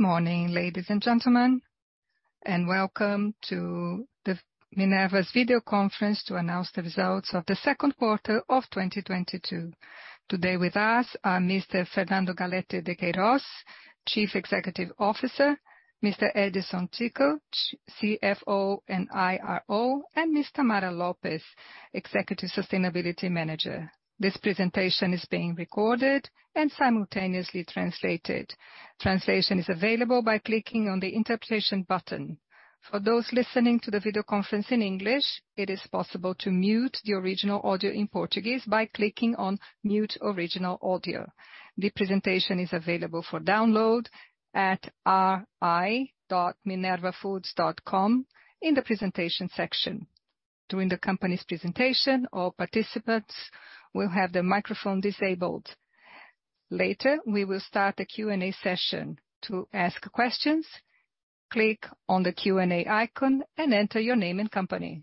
Morning, ladies and gentlemen, and welcome to Minerva's Video Conference to Announce the Results of the Q2 of 2022. Today with us are Mr. Fernando Galletti de Queiroz, Chief Executive Officer, Mr. Edison Ticle, CFO and IRO, and Ms. Tamara Lopes, Executive Sustainability Manager. This presentation is being recorded and simultaneously translated. Translation is available by clicking on the Interpretation button. For those listening to the video conference in English, it is possible to mute the original audio in Portuguese by clicking on Mute Original Audio. The presentation is available for download at ri.minervafoods.com in the Presentation section. During the company's presentation, all participants will have their microphone disabled. Later, we will start a Q&A session. To ask questions, click on the Q&A icon and enter your name and company.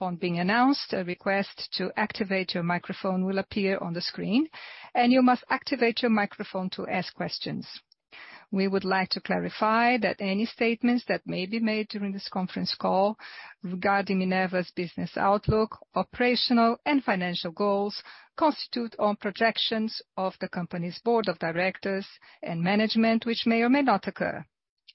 On being announced, a request to activate your microphone will appear on the screen, and you must activate your microphone to ask questions. We would like to clarify that any statements that may be made during this conference call regarding Minerva's business outlook, operational and financial goals, constitute all projections of the company's board of directors and management which may or may not occur.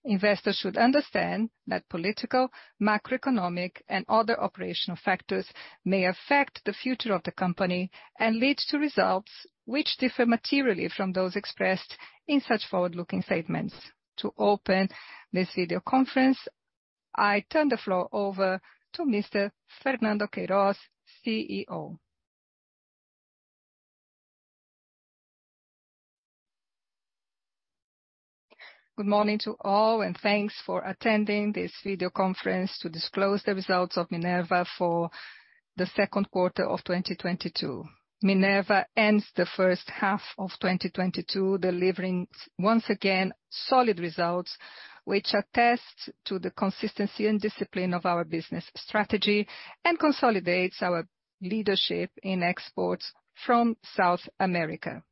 Investors should understand that political, macroeconomic, and other operational factors may affect the future of the company and lead to results which differ materially from those expressed in such forward-looking statements. To open this video conference, I turn the floor over to Mr. Fernando Queiroz, CEO. Good morning to all, and thanks for attending this video conference to disclose the results of Minerva for the Q2 of 2022. Minerva ends the first half of 2022 delivering, once again, solid results, which attest to the consistency and discipline of our business strategy, and consolidates our leadership in exports from South America.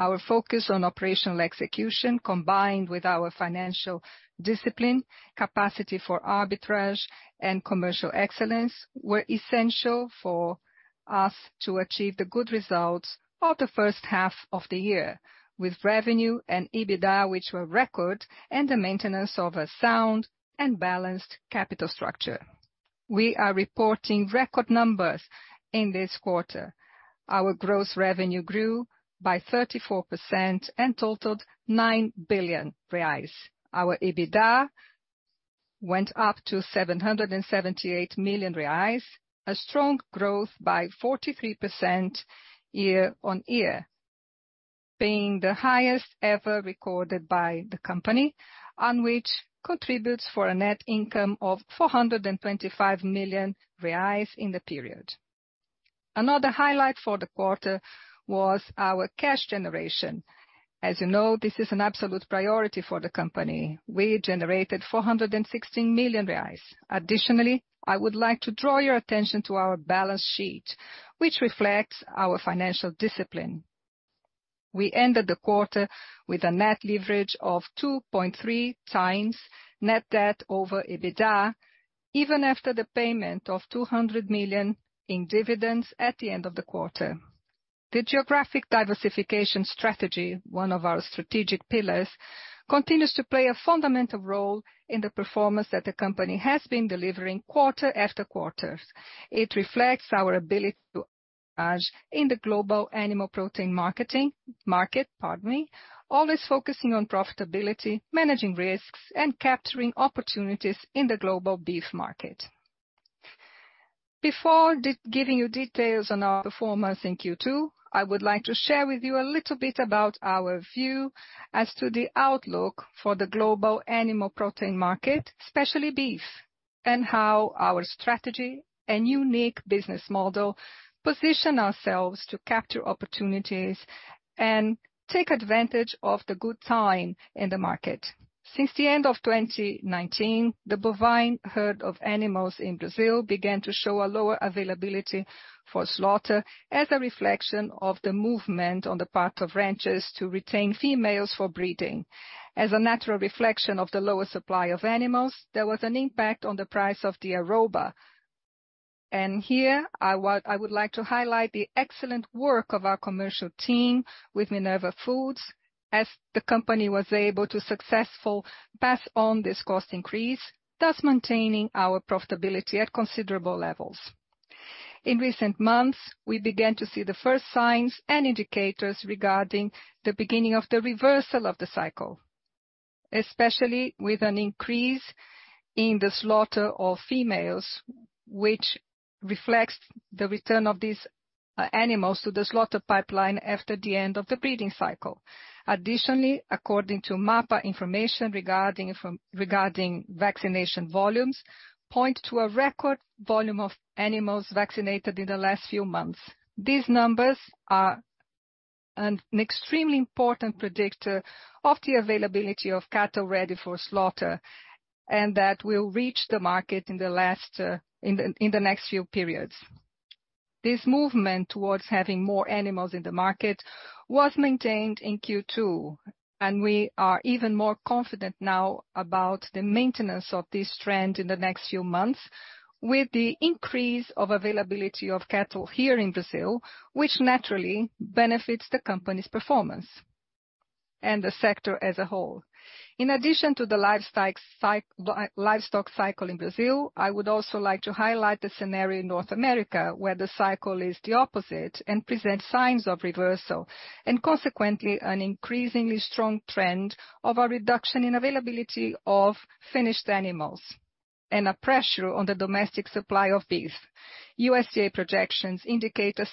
Our focus on operational execution, combined with our financial discipline, capacity for arbitrage, and commercial excellence, were essential for us to achieve the good results of the first half of the year, with revenue and EBITDA which were record, and the maintenance of a sound and balanced capital structure. We are reporting record numbers in this quarter. Our gross revenue grew by 34% and totaled 9 billion reais. Our EBITDA went up to 778 million reais, a strong growth by 43% year-on-year, being the highest ever recorded by the company, and which contributes for a net income of 425 million reais in the period. Another highlight for the quarter was our cash generation. As you know, this is an absolute priority for the company. We generated 416 million reais. Additionally, I would like to draw your attention to our balance sheet, which reflects our financial discipline. We ended the quarter with a net leverage of 2.3x net debt over EBITDA, even after the payment of 200 million in dividends at the end of the quarter. The geographic diversification strategy, one of our strategic pillars, continues to play a fundamental role in the performance that the company has been delivering quarter after quarter. It reflects our ability to arbitrage in the global animal protein market, pardon me, always focusing on profitability, managing risks, and capturing opportunities in the global beef market. Before giving you details on our performance in Q2, I would like to share with you a little bit about our view as to the outlook for the global animal protein market, especially beef, and how our strategy and unique business model position ourselves to capture opportunities and take advantage of the good time in the market. Since the end of 2019, the bovine herd of animals in Brazil began to show a lower availability for slaughter as a reflection of the movement on the part of ranchers to retain females for breeding. As a natural reflection of the lower supply of animals, there was an impact on the price of the arroba. Here I would like to highlight the excellent work of our commercial team with Minerva Foods, as the company was able to successfully pass on this cost increase, thus maintaining our profitability at considerable levels. In recent months, we began to see the first signs and indicators regarding the beginning of the reversal of the cycle, especially with an increase in the slaughter of females, which reflects the return of these animals to the slaughter pipeline after the end of the breeding cycle. Additionally, according to MAPA information regarding vaccination volumes, points to a record volume of animals vaccinated in the last few months. These numbers are an extremely important predictor of the availability of cattle ready for slaughter, and that will reach the market in the last. In the next few periods. This movement towards having more animals in the market was maintained in Q2, and we are even more confident now about the maintenance of this trend in the next few months with the increase of availability of cattle here in Brazil, which naturally benefits the company's performance and the sector as a whole. In addition to the livestock cycle in Brazil, I would also like to highlight the scenario in North America, where the cycle is the opposite and presents signs of reversal, and consequently, an increasingly strong trend of a reduction in availability of finished animals, and a pressure on the domestic supply of beef. USDA projections indicate a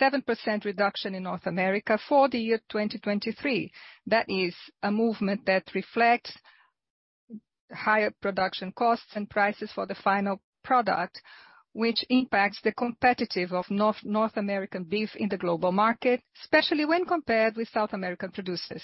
77% reduction in North America for the year 2023. That is a movement that reflects higher production costs and prices for the final product, which impacts the competitiveness of North American beef in the global market, especially when compared with South American producers.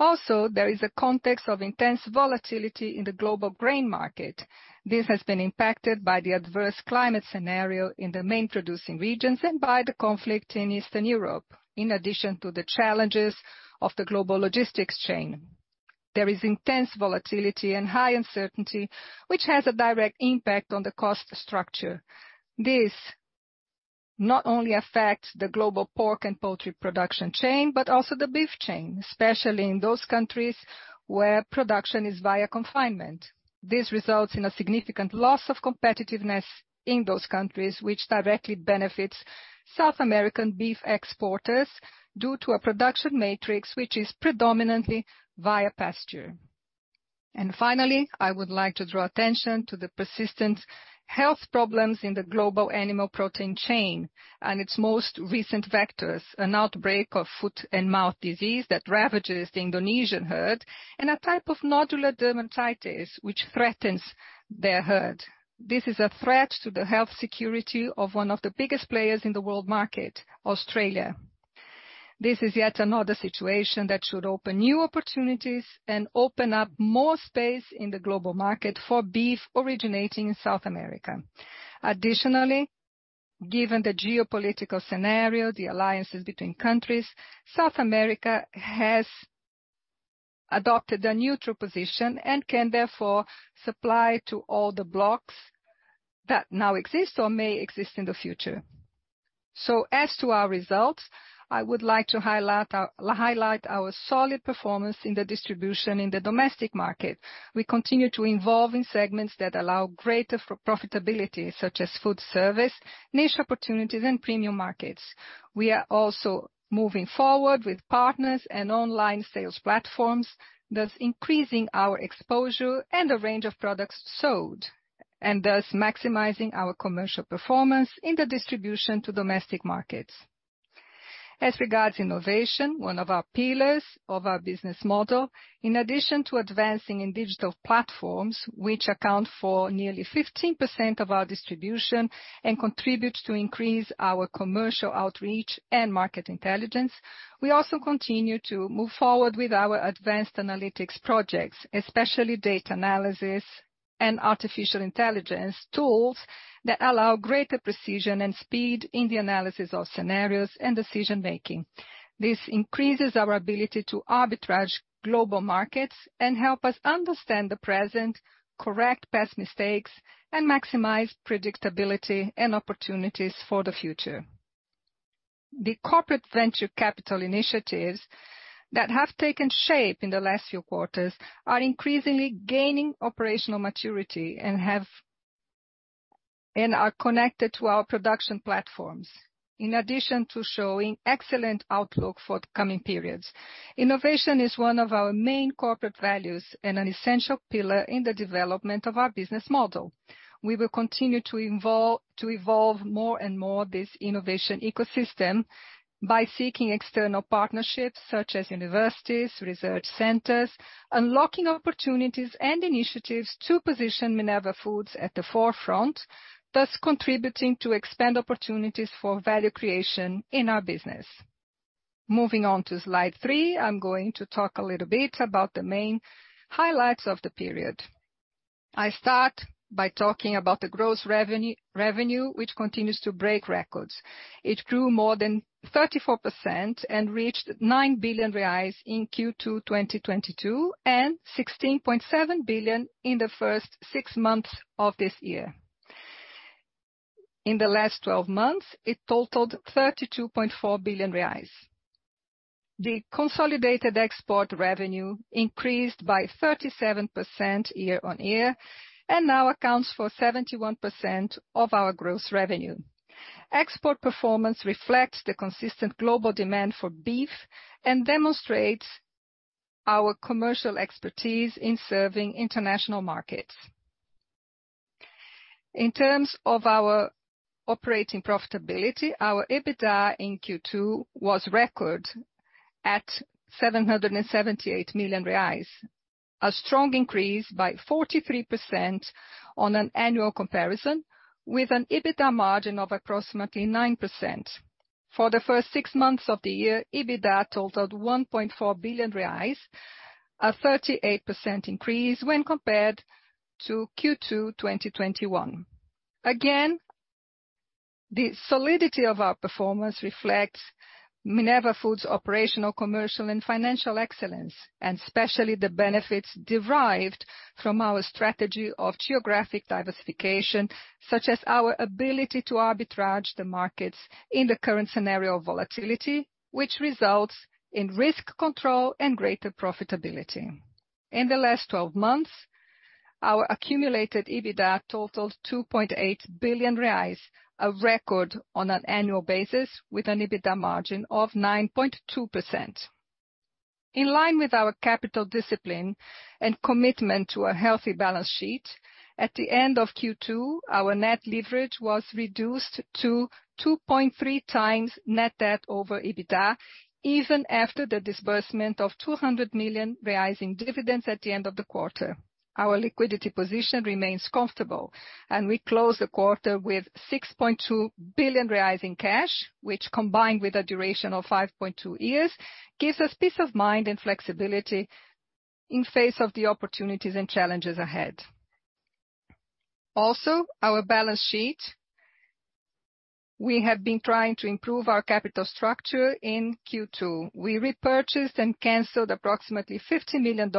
Also, there is a context of intense volatility in the global grain market. This has been impacted by the adverse climate scenario in the main producing regions and by the conflict in Eastern Europe, in addition to the challenges of the global logistics chain. There is intense volatility and high uncertainty, which has a direct impact on the cost structure. This not only affects the global pork and poultry production chain, but also the beef chain, especially in those countries where production is via confinement. This results in a significant loss of competitiveness in those countries which directly benefits South American beef exporters due to a production matrix which is predominantly via pasture. Finally, I would like to draw attention to the persistent health problems in the global animal protein chain and its most recent vectors, an outbreak of foot-and-mouth disease that ravages the Indonesian herd and a type of nodular dermatitis which threatens their herd. This is a threat to the health security of one of the biggest players in the world market, Australia. This is yet another situation that should open new opportunities and open up more space in the global market for beef originating in South America. Additionally, given the geopolitical scenario, the alliances between countries, South America has adopted a neutral position and can therefore supply to all the blocks that now exist or may exist in the future. As to our results, I would like to highlight our solid performance in the distribution in the domestic market. We continue to invest in segments that allow greater profitability, such as food service, niche opportunities and premium markets. We are also moving forward with partners and online sales platforms, thus increasing our exposure and the range of products sold, and thus maximizing our commercial performance in the distribution to domestic markets. As regards innovation, one of our pillars of our business model, in addition to advancing in digital platforms, which account for nearly 15% of our distribution and contribute to increase our commercial outreach and market intelligence, we also continue to move forward with our advanced analytics projects, especially data analysis and artificial intelligence tools that allow greater precision and speed in the analysis of scenarios and decision-making. This increases our ability to arbitrage global markets and help us understand the present, correct past mistakes, and maximize predictability and opportunities for the future. The corporate venture capital initiatives that have taken shape in the last few quarters are increasingly gaining operational maturity and are connected to our production platforms, in addition to showing excellent outlook for the coming periods. Innovation is one of our main corporate values and an essential pillar in the development of our business model. We will continue to evolve more and more this innovation ecosystem by seeking external partnerships such as universities, research centers, unlocking opportunities and initiatives to position Minerva Foods at the forefront, thus contributing to expand opportunities for value creation in our business. Moving on to slide three. I'm going to talk a little bit about the main highlights of the period. I start by talking about the gross revenue, which continues to break records. It grew more than 34% and reached 9 billion reais in Q2 2022, and 16.7 billion in the first six months of this year. In the last 12 months, it totaled 32.4 billion reais. The consolidated export revenue increased by 37% year-on-year, and now accounts for 71% of our gross revenue. Export performance reflects the consistent global demand for beef and demonstrates our commercial expertise in serving international markets. In terms of our operating profitability, our EBITDA in Q2 was record at 778 million reais, a strong increase by 43% on an annual comparison with an EBITDA margin of approximately 9%. For the first six months of the year, EBITDA totaled 1.4 billion reais, a 38% increase when compared to Q2 2021. The solidity of our performance reflects Minerva Foods' operational, commercial, and financial excellence, and especially the benefits derived from our strategy of geographic diversification, such as our ability to arbitrage the markets in the current scenario of volatility, which results in risk control and greater profitability. In the last 12 months, our accumulated EBITDA totaled 2.8 billion reais, a record on an annual basis, with an EBITDA margin of 9.2%. In line with our capital discipline and commitment to a healthy balance sheet, at the end of Q2, our net leverage was reduced to 2.3x net debt over EBITDA, even after the disbursement of 200 million reais in dividends at the end of the quarter. Our liquidity position remains comfortable, and we closed the quarter with 6.2 billion reais in cash, which, combined with a duration of 5.2 years, gives us peace of mind and flexibility in face of the opportunities and challenges ahead. Also, our balance sheet, we have been trying to improve our capital structure in Q2. We repurchased and canceled approximately $50 million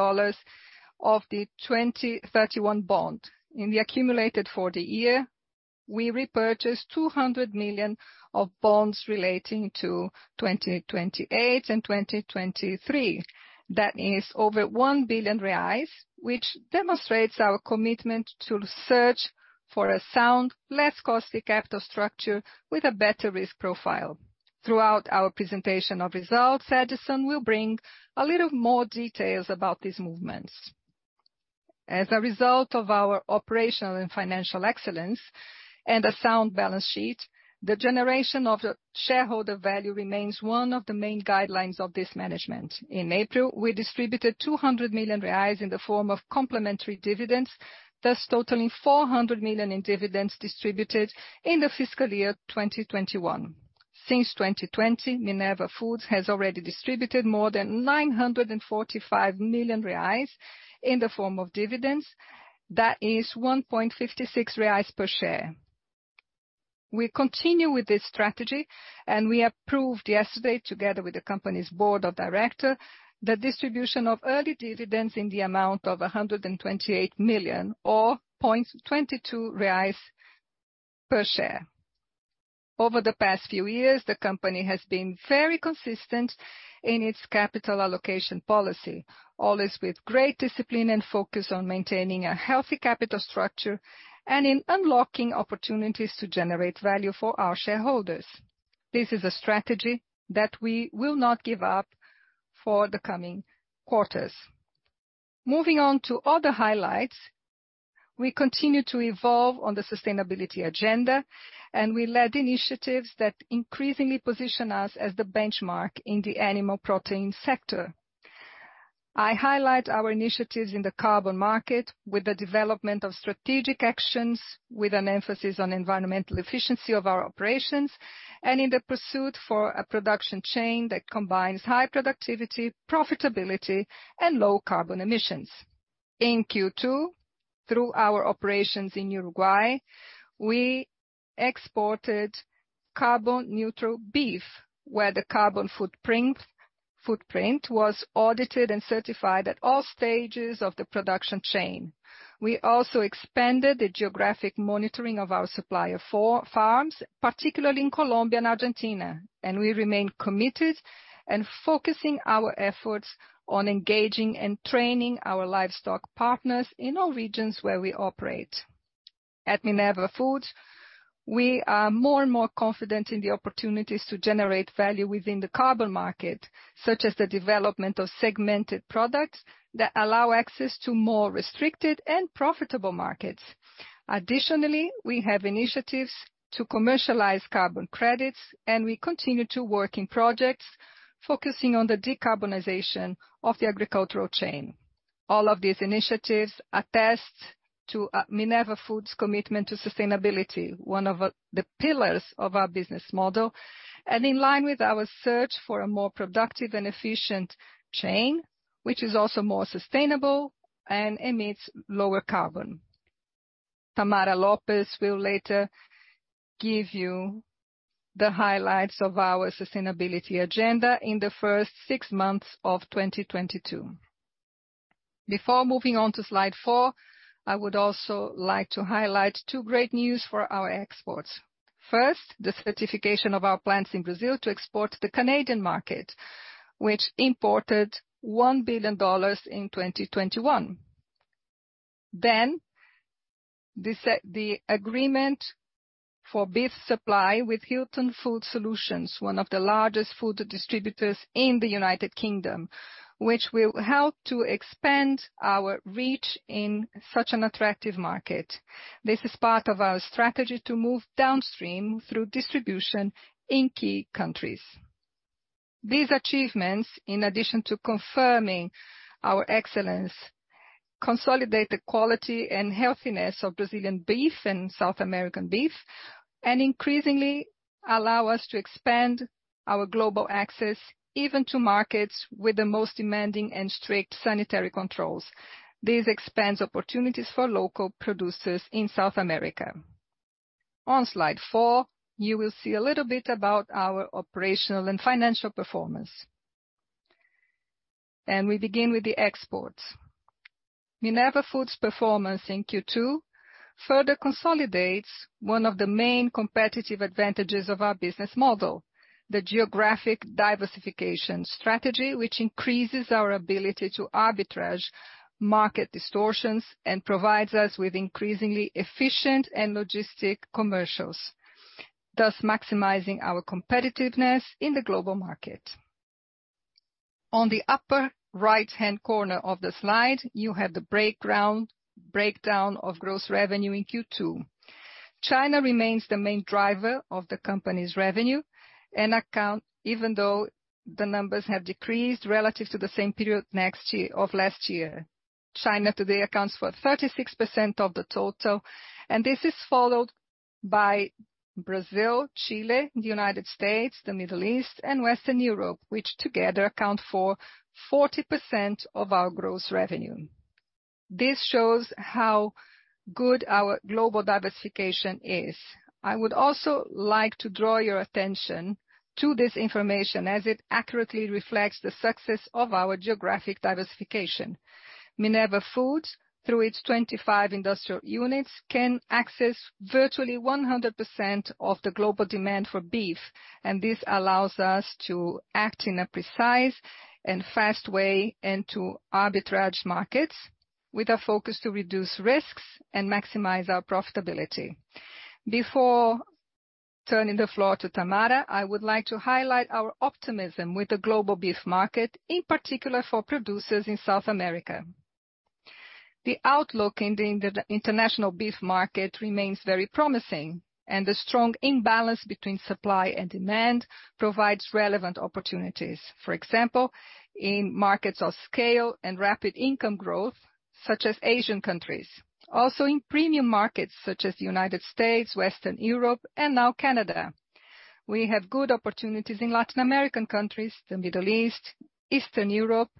of the 2031 bond. In the accumulated for the year, we repurchased 200 million of bonds relating to 2028 and 2023. That is over 1 billion reais, which demonstrates our commitment to search for a sound, less costly capital structure with a better risk profile. Throughout our presentation of results, Edison will bring a little more details about these movements. As a result of our operational and financial excellence and a sound balance sheet, the generation of the shareholder value remains one of the main guidelines of this management. In April, we distributed 200 million reais in the form of complementary dividends, thus totaling 400 million in dividends distributed in the fiscal year 2021. Since 2020, Minerva Foods has already distributed more than 945 million reais in the form of dividends. That is 1.56 reais per share. We continue with this strategy, and we approved yesterday, together with the company's board of directors, the distribution of early dividends in the amount of 128 million, or 0.22 reais per share. Over the past few years, the company has been very consistent in its capital allocation policy, always with great discipline and focus on maintaining a healthy capital structure and in unlocking opportunities to generate value for our shareholders. This is a strategy that we will not give up for the coming quarters. Moving on to other highlights, we continue to evolve on the sustainability agenda, and we led initiatives that increasingly position us as the benchmark in the animal protein sector. I highlight our initiatives in the carbon market with the development of strategic actions, with an emphasis on environmental efficiency of our operations, and in the pursuit for a production chain that combines high productivity, profitability, and low carbon emissions. In Q2, through our operations in Uruguay, we exported carbon-neutral beef, where the carbon footprint was audited and certified at all stages of the production chain. We also expanded the geographic monitoring of our supplier farms, particularly in Colombia and Argentina, and we remain committed and focusing our efforts on engaging and training our livestock partners in all regions where we operate. At Minerva Foods, we are more and more confident in the opportunities to generate value within the carbon market, such as the development of segmented products that allow access to more restricted and profitable markets. Additionally, we have initiatives to commercialize carbon credits, and we continue to work in projects focusing on the decarbonization of the agricultural chain. All of these initiatives attest to Minerva Foods' commitment to sustainability, one of the pillars of our business model, and in line with our search for a more productive and efficient chain, which is also more sustainable and emits lower carbon. Tamara Lopes will later give you the highlights of our sustainability agenda in the first six months of 2022. Before moving on to slide four, I would also like to highlight two great news for our exports. First, the certification of our plants in Brazil to export to the Canadian market, which imported $1 billion in 2021. Then the agreement for beef supply with Hilton Food Group, one of the largest food distributors in the United Kingdom, which will help to expand our reach in such an attractive market. This is part of our strategy to move downstream through distribution in key countries. These achievements, in addition to confirming our excellence, consolidate the quality and healthiness of Brazilian beef and South American beef, and increasingly allow us to expand our global access, even to markets with the most demanding and strict sanitary controls. This expands opportunities for local producers in South America. On slide four, you will see a little bit about our operational and financial performance. We begin with the exports. Minerva Foods' performance in Q2 further consolidates one of the main competitive advantages of our business model, the geographic diversification strategy, which increases our ability to arbitrage market distortions and provides us with increasingly efficient logistics and commercials, thus maximizing our competitiveness in the global market. On the upper right-hand corner of the slide, you have the breakdown of gross revenue in Q2. China remains the main driver of the company's revenue and accounts, even though the numbers have decreased relative to the same period of last year. China today accounts for 36% of the total, and this is followed by Brazil, Chile, the United States, the Middle East, and Western Europe, which together account for 40% of our gross revenue. This shows how good our global diversification is. I would also like to draw your attention to this information as it accurately reflects the success of our geographic diversification. Minerva Foods, through its 25 industrial units, can access virtually 100% of the global demand for beef, and this allows us to act in a precise and fast way, and to arbitrage markets with a focus to reduce risks and maximize our profitability. Before turning the floor to Tamara, I would like to highlight our optimism with the global beef market, in particular for producers in South America. The outlook in the inter-international beef market remains very promising, and the strong imbalance between supply and demand provides relevant opportunities. For example, in markets of scale and rapid income growth, such as Asian countries. Also in premium markets, such as the United States, Western Europe, and now Canada. We have good opportunities in Latin American countries, the Middle East, Eastern Europe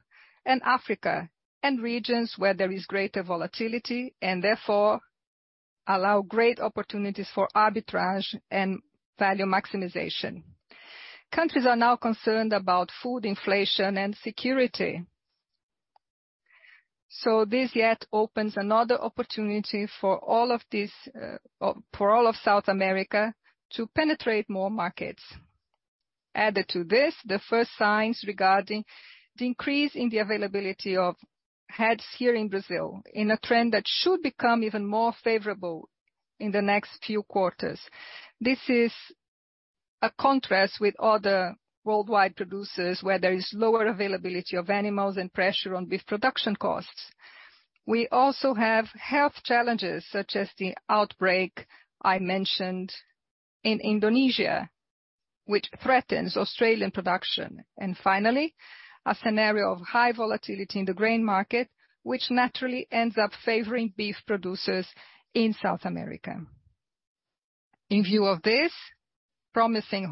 and Africa, and regions where there is greater volatility, and therefore allow great opportunities for arbitrage and value maximization. Countries are now concerned about food inflation and security. This yet opens another opportunity for all of this, for all of South America to penetrate more markets. Added to this, the first signs regarding the increase in the availability of herds here in Brazil, in a trend that should become even more favorable in the next few quarters. This is a contrast with other worldwide producers, where there is lower availability of animals and pressure on beef production costs. We also have health challenges, such as the outbreak I mentioned in Indonesia, which threatens Australian production. Finally, a scenario of high volatility in the grain market, which naturally ends up favoring beef producers in South America. In view of this promising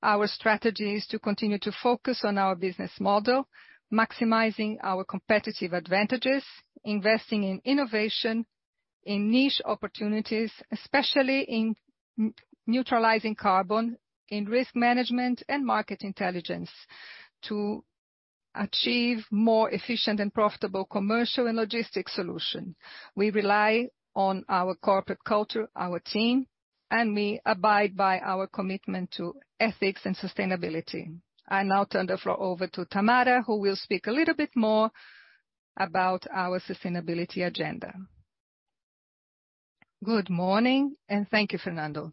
horizon, our strategy is to continue to focus on our business model, maximizing our competitive advantages, investing in innovation, in niche opportunities, especially in neutralizing carbon, in risk management and market intelligence to achieve more efficient and profitable commercial and logistic solution. We rely on our corporate culture, our team, and we abide by our commitment to ethics and sustainability. I now turn the floor over to Tamara, who will speak a little bit more about our sustainability agenda. Good morning, and thank you, Fernando.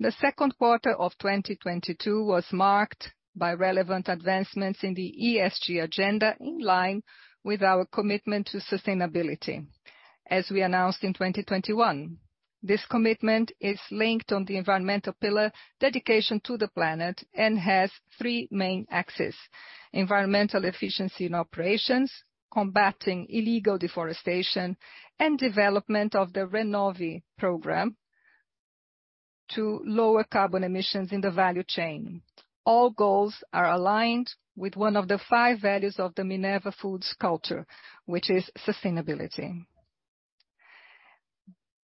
The second quarter of 2022 was marked by relevant advancements in the ESG agenda, in line with our commitment to sustainability, as we announced in 2021. This commitment is linked on the environmental pillar dedication to the planet and has three main axes, environmental efficiency in operations, combating illegal deforestation, and development of the Renove program to lower carbon emissions in the value chain. All goals are aligned with one of the five values of the Minerva Foods culture, which is sustainability.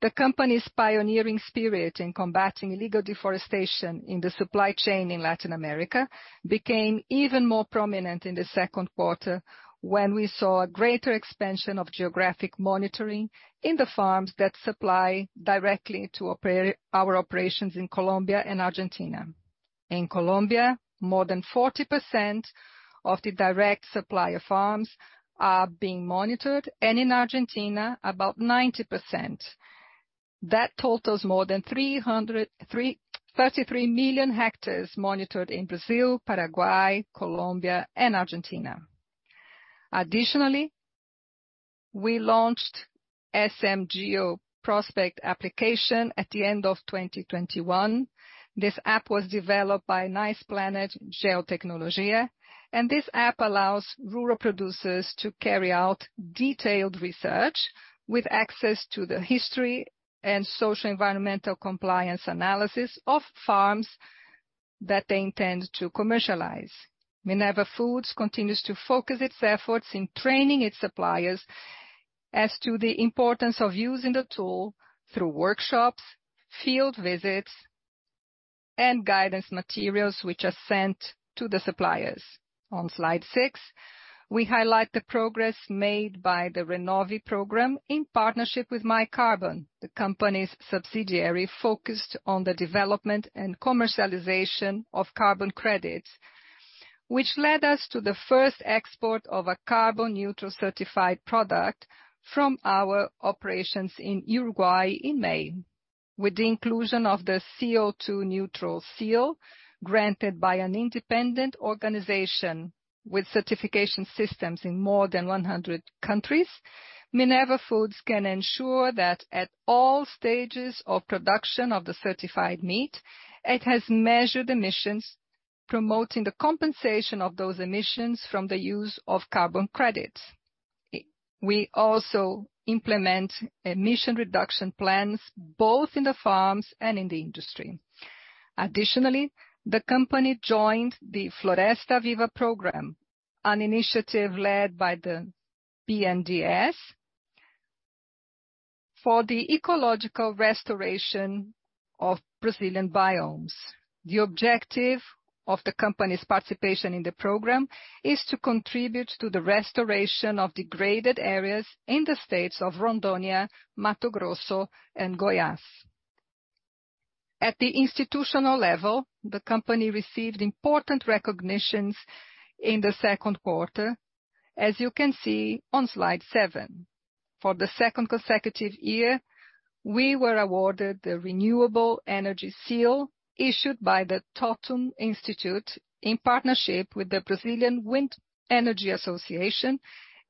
The company's pioneering spirit in combating illegal deforestation in the supply chain in Latin America became even more prominent in the Q2, when we saw a greater expansion of geographic monitoring in the farms that supply directly to our operations in Colombia and Argentina. In Colombia, more than 40% of the direct supplier farms are being monitored, and in Argentina, about 90%. That totals more than 33 million hectares monitored in Brazil, Paraguay, Colombia and Argentina. Additionally, we launched SMGeo Prospec application at the end of 2021. This app was developed by Niceplanet Geotecnologia, and this app allows rural producers to carry out detailed research with access to the history and socio-environmental compliance analysis of farms that they intend to commercialize. Minerva Foods continues to focus its efforts in training its suppliers as to the importance of using the tool through workshops, field visits, and guidance materials which are sent to the suppliers. On slide six, we highlight the progress made by the Renove program in partnership with MyCarbon, the company's subsidiary focused on the development and commercialization of carbon credits, which led us to the first export of a carbon neutral certified product from our operations in Uruguay in May. With the inclusion of the CO₂ neutral seal granted by an independent organization with certification systems in more than 100 countries, Minerva Foods can ensure that at all stages of production of the certified meat, it has measured emissions, promoting the compensation of those emissions from the use of carbon credits. We also implement emission reduction plans both in the farms and in the industry. Additionally, the company joined the Floresta Viva program, an initiative led by the BNDES for the ecological restoration of Brazilian biomes. The objective of the company's participation in the program is to contribute to the restoration of degraded areas in the states of Rondônia, Mato Grosso, and Goiás. At the institutional level, the company received important recognitions in the Q2, as you can see on slide seven. For the second consecutive year, we were awarded the Renewable Energy Seal issued by the Totum Institute in partnership with the Brazilian Association of Wind Energy and New Technologies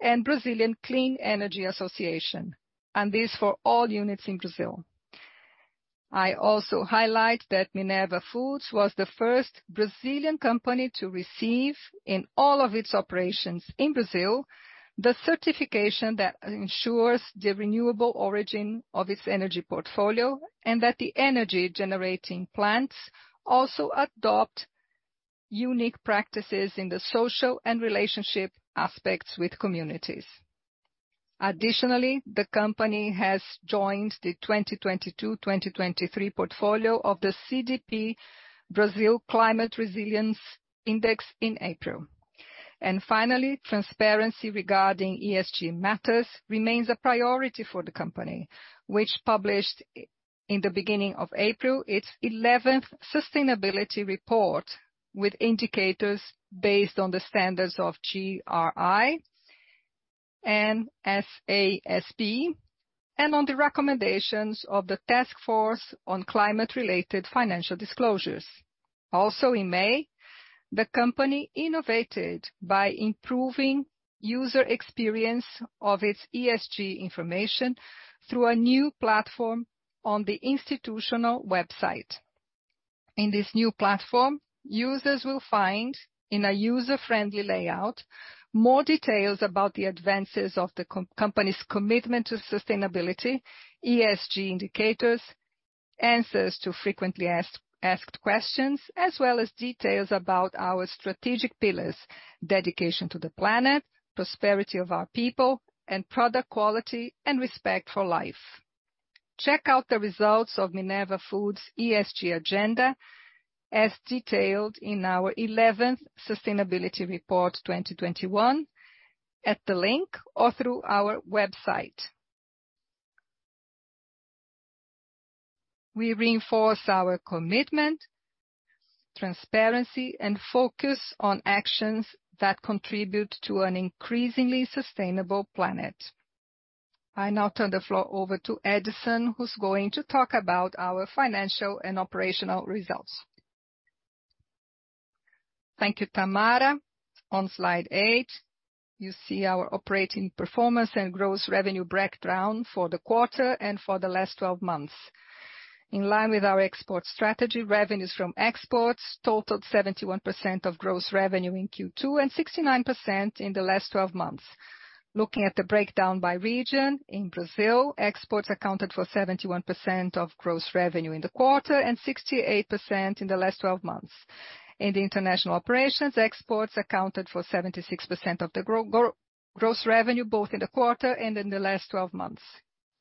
and Brazilian Clean Energy Association, and this for all units in Brazil. I also highlight that Minerva Foods was the first Brazilian company to receive, in all of its operations in Brazil, the certification that ensures the renewable origin of its energy portfolio, and that the energy-generating plants also adopt unique practices in the social and relationship aspects with communities. Additionally, the company has joined the 2022/2023 portfolio of the CDP Brazil Climate Resilience Index in April. Finally, transparency regarding ESG matters remains a priority for the company, which published in the beginning of April, its 11th sustainability report with indicators based on the standards of GRI and SASB, and on the recommendations of the Task Force on Climate-related Financial Disclosures. In May, the company innovated by improving user experience of its ESG information through a new platform on the institutional website. In this new platform, users will find, in a user-friendly layout, more details about the advances of the company's commitment to sustainability, ESG indicators, answers to frequently asked questions, as well as details about our strategic pillars, dedication to the planet, prosperity of our people, and product quality and respect for life. Check out the results of Minerva Foods' ESG agenda as detailed in our 11th sustainability report 2021, at the link or through our website. We reinforce our commitment, transparency, and focus on actions that contribute to an increasingly sustainable planet. I now turn the floor over to Edison, who's going to talk about our financial and operational results. Thank you, Tamara. On slide eight, you see our operating performance and gross revenue breakdown for the quarter and for the last 12 months. In line with our export strategy, revenues from exports totaled 71% of gross revenue in Q2, and 69% in the last 12 months. Looking at the breakdown by region, in Brazil, exports accounted for 71% of gross revenue in the quarter and 68% in the last 12 months. In the international operations, exports accounted for 76% of the gross revenue, both in the quarter and in the last 12 months.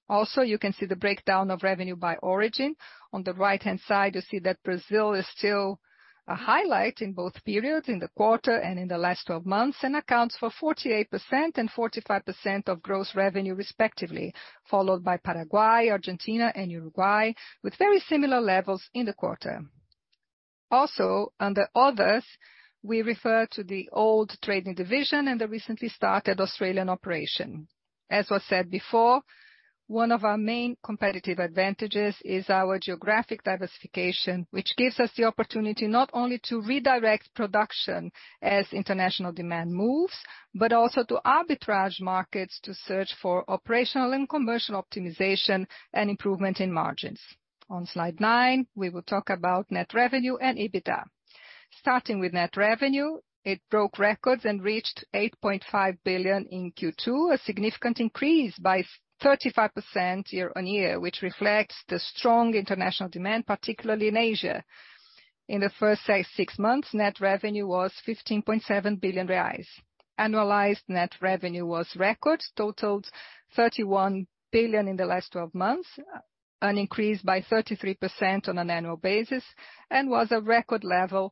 Also, you can see the breakdown of revenue by origin. On the right-hand side, you see that Brazil is still a highlight in both periods, in the quarter and in the last 12 months, and accounts for 48% and 45% of gross revenue respectively, followed by Paraguay, Argentina, and Uruguay, with very similar levels in the quarter. Also, under others, we refer to the old trading division and the recently started Australian operation. As was said before. One of our main competitive advantages is our geographic diversification, which gives us the opportunity not only to redirect production as international demand moves, but also to arbitrage markets to search for operational and commercial optimization and improvement in margins. On slide nine, we will talk about net revenue and EBITDA. Starting with net revenue, it broke records and reached 8.5 billion in Q2, a significant increase by 35% year-on-year, which reflects the strong international demand, particularly in Asia. In the first six months, net revenue was 15.7 billion reais. Annualized net revenue was record, totaled 31 billion in the last 12 months, an increase by 33% on an annual basis, and at a record level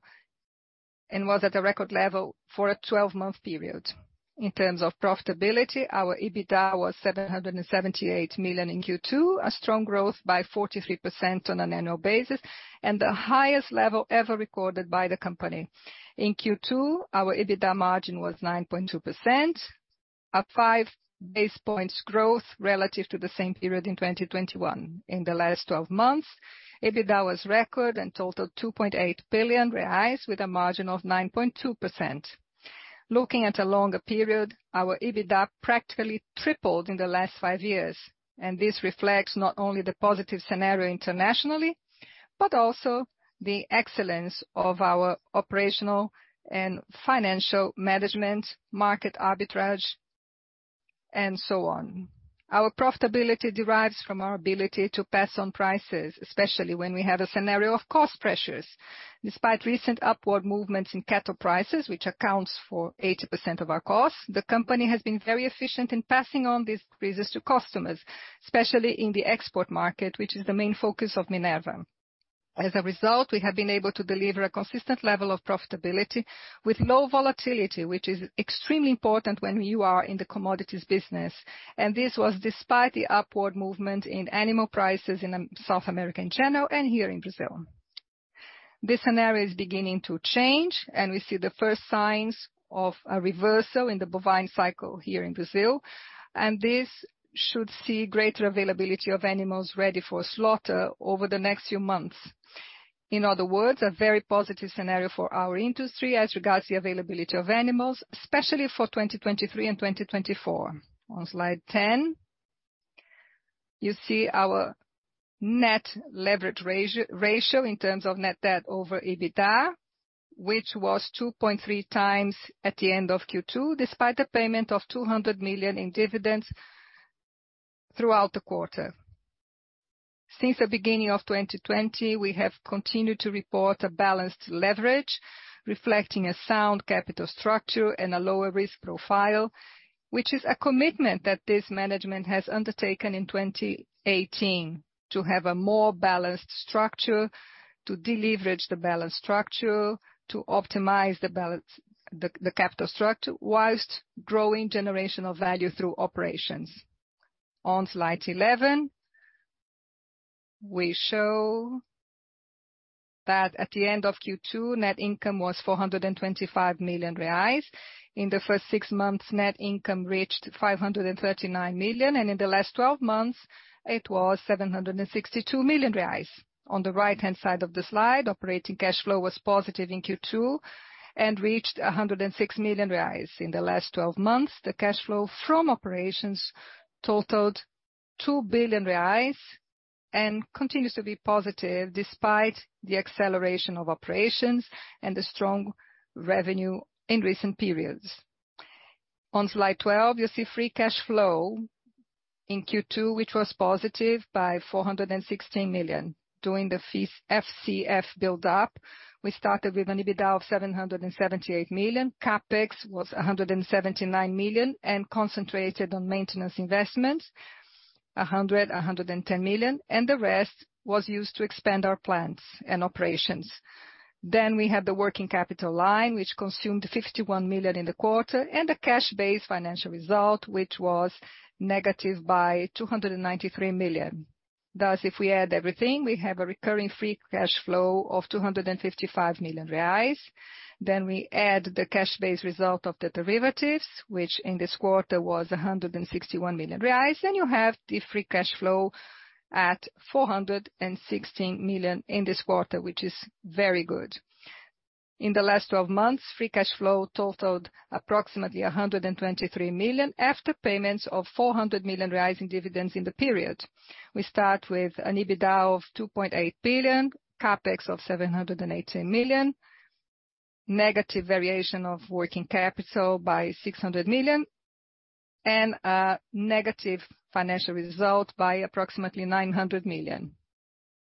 for a 12-month period. In terms of profitability, our EBITDA was 778 million in Q2, a strong growth by 43% on an annual basis and the highest level ever recorded by the company. In Q2, our EBITDA margin was 9.2%, a 5 basis points growth relative to the same period in 2021. In the last 12 months, EBITDA was record and totaled 2.8 billion reais with a margin of 9.2%. Looking at a longer period, our EBITDA practically tripled in the last five years, and this reflects not only the positive scenario internationally, but also the excellence of our operational and financial management, market arbitrage, and so on. Our profitability derives from our ability to pass on prices, especially when we have a scenario of cost pressures. Despite recent upward movements in cattle prices, which accounts for 80% of our costs, the company has been very efficient in passing on these increases to customers, especially in the export market, which is the main focus of Minerva. As a result, we have been able to deliver a consistent level of profitability with low volatility, which is extremely important when you are in the commodities business. This was despite the upward movement in animal prices in the South American channel and here in Brazil. This scenario is beginning to change, and we see the first signs of a reversal in the bovine cycle here in Brazil, and this should see greater availability of animals ready for slaughter over the next few months. In other words, a very positive scenario for our industry as regards the availability of animals, especially for 2023 and 2024. On slide 10, you see our net leverage ratio in terms of net debt over EBITDA, which was 2.3x at the end of Q2, despite the payment of 200 million in dividends throughout the quarter. Since the beginning of 2020, we have continued to report a balanced leverage reflecting a sound capital structure and a lower risk profile, which is a commitment that this management has undertaken in 2018 to have a more balanced structure, to deleverage the balance structure, to optimize the capital structure whilst growing generational value through operations. On slide 11, we show that at the end of Q2, net income was 425 million reais. In the first six months, net income reached 539 million, and in the last twelve months it was 762 million reais. On the right-hand side of the slide, operating cash flow was positive in Q2 and reached 106 million reais. In the last 12 months, the cash flow from operations totaled 2 billion reais and continues to be positive despite the acceleration of operations and the strong revenue in recent periods. On slide 12, you see free cash flow in Q2, which was positive by 416 million during the FCF build-up. We started with an EBITDA of 778 million. CapEx was 179 million and concentrated on maintenance investments, 110 million, and the rest was used to expand our plants and operations. We have the working capital line, which consumed 51 million in the quarter, and a cash-based financial result, which was negative by 293 million. Thus, if we add everything, we have a recurring free cash flow of 255 million reais. We add the cash-based result of the derivatives, which in this quarter was 161 million reais. You have the free cash flow at 416 million in this quarter, which is very good. In the last twelve months, free cash flow totaled approximately 123 million after payments of 400 million in dividends in the period. We start with an EBITDA of 2.8 billion, CapEx of 718 million, negative variation of working capital by 600 million, and a negative financial result by approximately 900 million.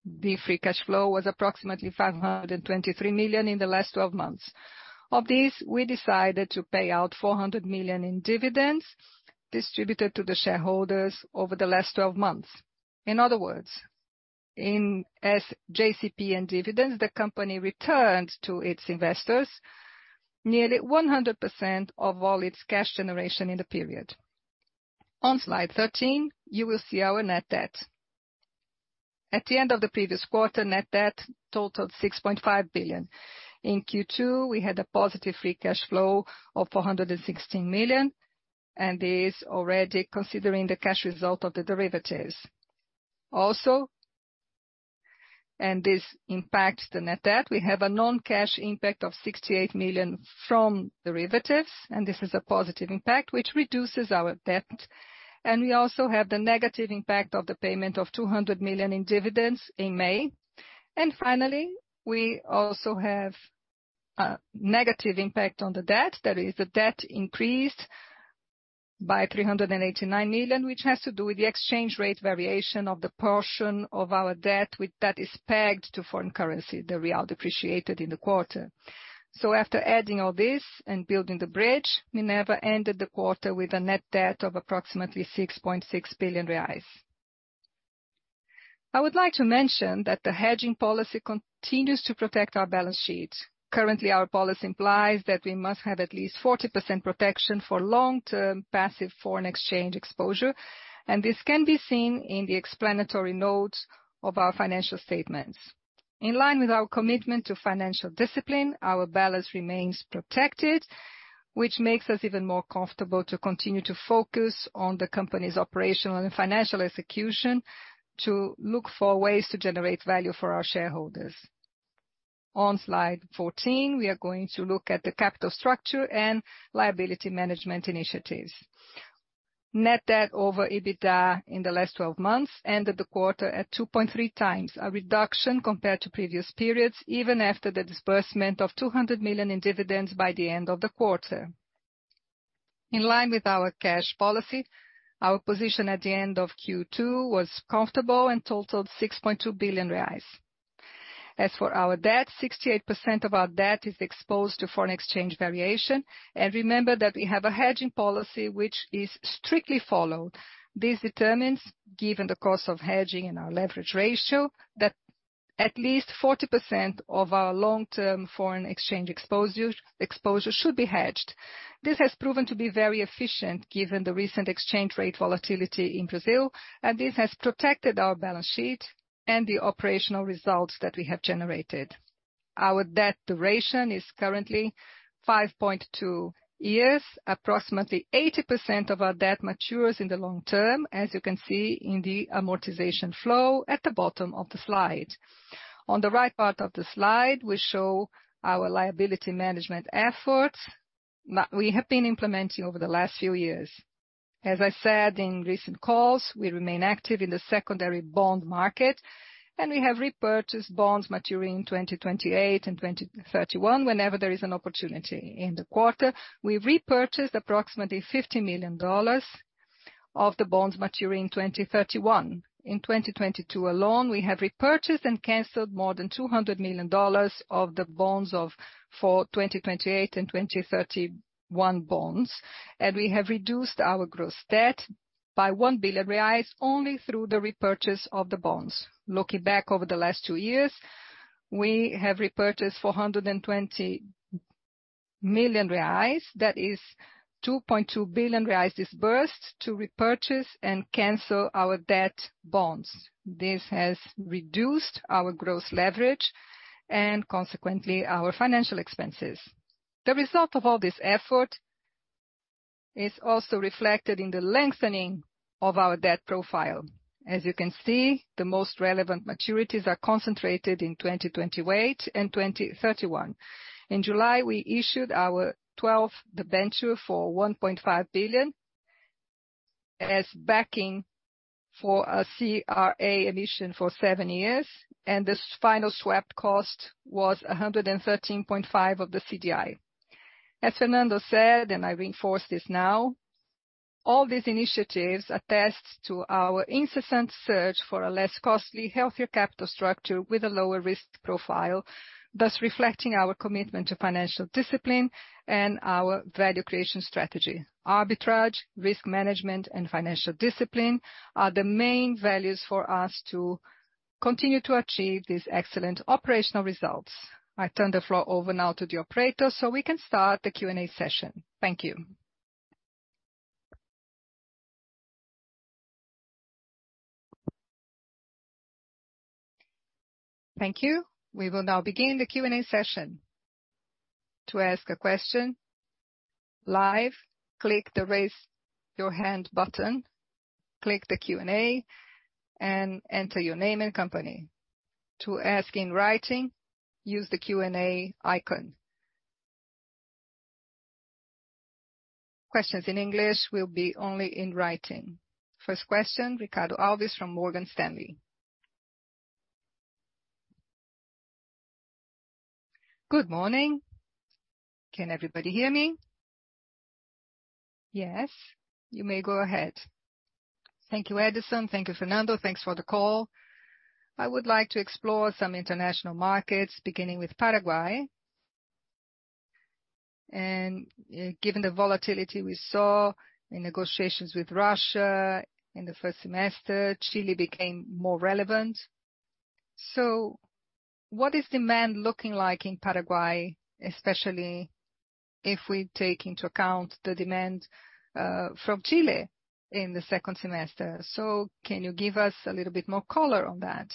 The free cash flow was approximately 523 million in the last twelve months. Of this, we decided to pay out 400 million in dividends distributed to the shareholders over the last twelve months. In other words, in JCP and dividends, the company returned to its investors nearly 100% of all its cash generation in the period. On slide 13, you will see our net debt. At the end of the previous quarter, net debt totaled 6.5 billion. In Q2, we had a positive free cash flow of 416 million, and it is already considering the cash result of the derivatives. Also, this impacts the net debt. We have a non-cash impact of 68 million from derivatives, and this is a positive impact which reduces our debt. We also have the negative impact of the payment of 200 million in dividends in May. Finally, we also have a negative impact on the debt. That is, the debt increased by 389 million, which has to do with the exchange rate variation of the portion of our debt that is pegged to foreign currency, the real depreciated in the quarter. After adding all this and building the bridge, Minerva ended the quarter with a net debt of approximately 6.6 billion reais. I would like to mention that the hedging policy continues to protect our balance sheet. Currently, our policy implies that we must have at least 40% protection for long-term passive foreign exchange exposure, and this can be seen in the explanatory notes of our financial statements. In line with our commitment to financial discipline, our balance remains protected, which makes us even more comfortable to continue to focus on the company's operational and financial execution to look for ways to generate value for our shareholders. On slide 14, we are going to look at the capital structure and liability management initiatives. Net debt over EBITDA in the last 12 months ended the quarter at 2.3x, a reduction compared to previous periods, even after the disbursement of 200 million in dividends by the end of the quarter. In line with our cash policy, our position at the end of Q2 was comfortable and totaled 6.2 billion reais. As for our debt, 68% of our debt is exposed to foreign exchange variation. Remember that we have a hedging policy which is strictly followed. This determines, given the cost of hedging and our leverage ratio, that at least 40% of our long-term foreign exchange exposure should be hedged. This has proven to be very efficient given the recent exchange rate volatility in Brazil, and this has protected our balance sheet and the operational results that we have generated. Our debt duration is currently 5.2 years. Approximately 80% of our debt matures in the long term, as you can see in the amortization flow at the bottom of the slide. On the right part of the slide, we show our liability management efforts that we have been implementing over the last few years. As I said in recent calls, we remain active in the secondary bond market, and we have repurchased bonds maturing in 2028 and 2031 whenever there is an opportunity. In the quarter, we repurchased approximately $50 million of the bonds maturing in 2031. In 2022 alone, we have repurchased and canceled more than $200 million of the bonds for 2028 and 2031 bonds. We have reduced our gross debt by 1 billion reais only through the repurchase of the bonds. Looking back over the last two years, we have repurchased 420 million reais. That is 2.2 billion reais disbursed to repurchase and cancel our debt bonds. This has reduced our gross leverage and consequently our financial expenses. The result of all this effort is also reflected in the lengthening of our debt profile. As you can see, the most relevant maturities are concentrated in 2028 and 2031. In July, we issued our 12th debenture for 1.5 billion as backing for a CRA emission for seven years, and this final swap cost was 113.5% of the CDI. As Fernando said, and I reinforce this now, all these initiatives attest to our incessant search for a less costly, healthier capital structure with a lower risk profile, thus reflecting our commitment to financial discipline and our value creation strategy. Arbitrage, risk management, and financial discipline are the main values for us to continue to achieve these excellent operational results. I turn the floor over now to the operator so we can start the Q&A session. Thank you. Thank you. We will now begin the Q&A session. To ask a question live, click the Raise Your Hand button, click the Q&A, and enter your name and company. To ask in writing, use the Q&A icon. Questions in English will be only in writing. First question, Ricardo Alves from Morgan Stanley. Good morning. Can everybody hear me? Yes, you may go ahead. Thank you, Edison. Thank you, Fernando. Thanks for the call. I would like to explore some international markets, beginning with Paraguay. Given the volatility we saw in negotiations with Russia in the first semester, Chile became more relevant. What is demand looking like in Paraguay, especially if we take into account the demand from Chile in the second semester? Can you give us a little bit more color on that?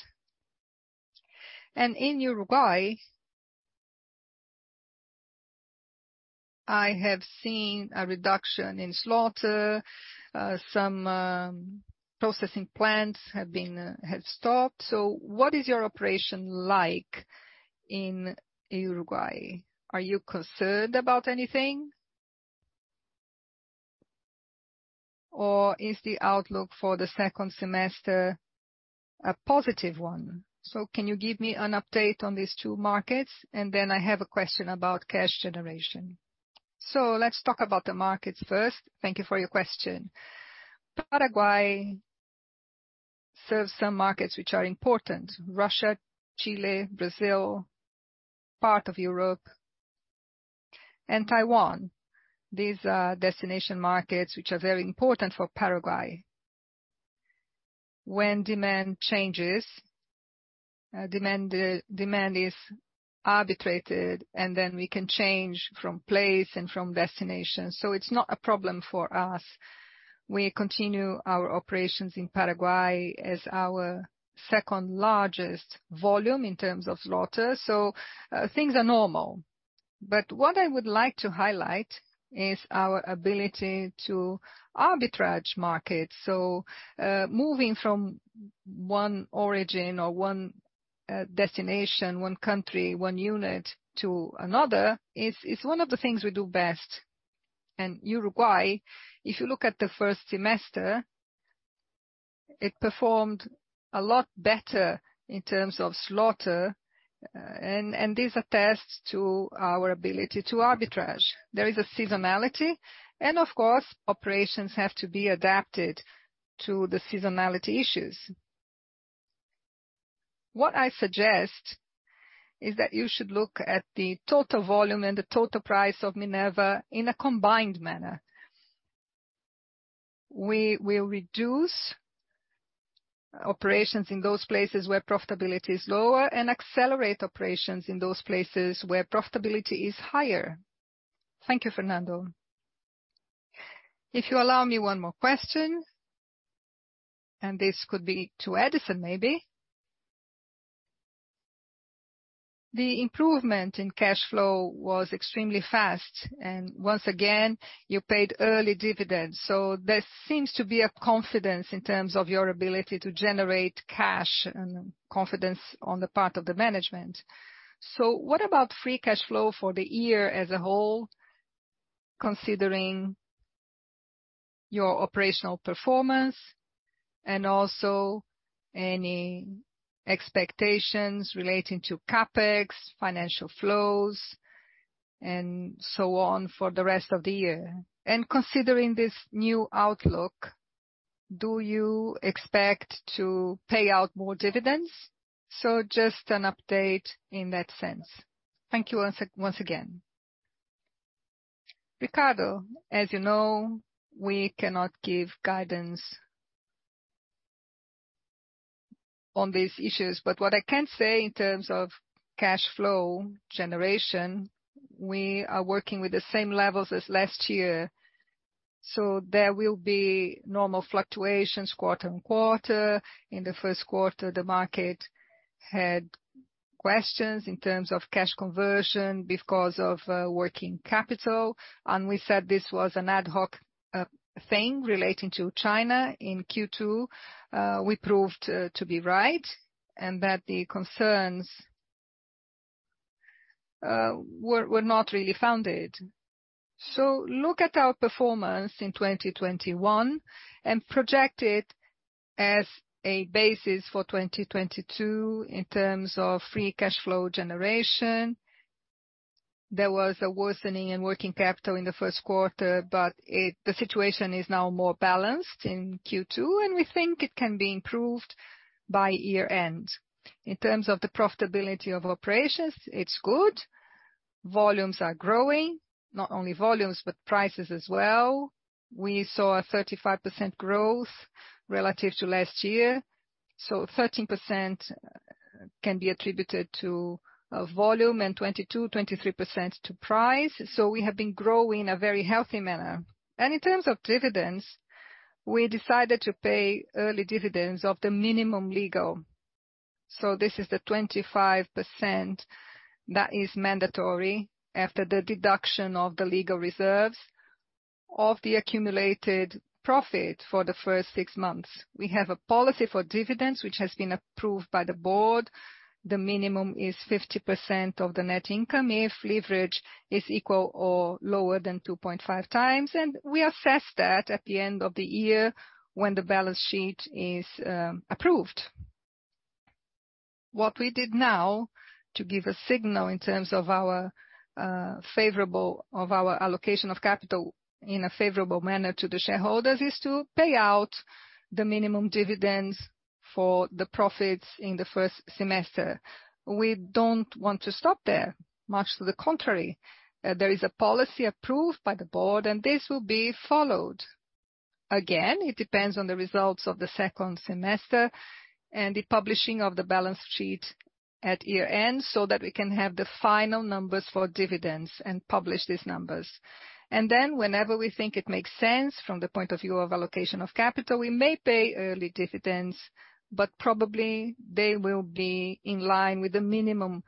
In Uruguay, I have seen a reduction in slaughter. Some processing plants have stopped. What is your operation like in Uruguay? Are you concerned about anything? Or is the outlook for the second semester a positive one? Can you give me an update on these two markets? Then I have a question about cash generation. Let's talk about the markets first. Thank you for your question. Paraguay serves some markets which are important. Russia, Chile, Brazil, part of Europe and Taiwan. These are destination markets which are very important for Paraguay. When demand changes, demand is arbitrated, and then we can change from place and from destination. It's not a problem for us. We continue our operations in Paraguay as our second-largest volume in terms of slaughter. Things are normal. What I would like to highlight is our ability to arbitrage markets. Moving from one origin or one destination, one country, one unit to another is one of the things we do best. Uruguay, if you look at the first semester, it performed a lot better in terms of slaughter, and this attests to our ability to arbitrage. There is a seasonality and of course, operations have to be adapted to the seasonality issues. What I suggest is that you should look at the total volume and the total price of Minerva in a combined manner. We will reduce operations in those places where profitability is lower and accelerate operations in those places where profitability is higher. Thank you, Fernando. If you allow me one more question, and this could be to Edison, maybe. The improvement in cash flow was extremely fast, and once again, you paid early dividends. There seems to be a confidence in terms of your ability to generate cash and confidence on the part of the management. What about free cash flow for the year as a whole, considering your operational performance and also any expectations relating to CapEx, financial flows, and so on for the rest of the year? Considering this new outlook, do you expect to pay out more dividends? Just an update in that sense. Thank you once again. Ricardo, as you know, we cannot give guidance on these issues. What I can say in terms of cash flow generation, we are working with the same levels as last year. There will be normal fluctuations quarter-over-quarter. In the Q1, the market had questions in terms of cash conversion because of working capital, and we said this was an ad hoc thing relating to China. In Q2, we proved to be right and that the concerns were not really founded. Look at our performance in 2021 and project it as a basis for 2022 in terms of free cash flow generation. There was a worsening in working capital in the Q1, but the situation is now more balanced in Q2, and we think it can be improved by year-end. In terms of the profitability of operations, it's good. Volumes are growing. Not only volumes, but prices as well. We saw a 35% growth relative to last year. 13% can be attributed to volume and 22, 23% to price. We have been growing in a very healthy manner. In terms of dividends, we decided to pay early dividends of the minimum legal. This is the 25% that is mandatory after the deduction of the legal reserves of the accumulated profit for the first six months. We have a policy for dividends, which has been approved by the board. The minimum is 50% of the net income if leverage is equal or lower than 2.5x, and we assess that at the end of the year when the balance sheet is approved. What we did now to give a signal in terms of our allocation of capital in a favorable manner to the shareholders is to pay out the minimum dividends for the profits in the first semester. We don't want to stop there. Much to the contrary. There is a policy approved by the board, and this will be followed. Again, it depends on the results of the second semester and the publishing of the balance sheet at year end, so that we can have the final numbers for dividends and publish these numbers. Then whenever we think it makes sense from the point of view of allocation of capital, we may pay early dividends, but probably they will be in line with the minimum,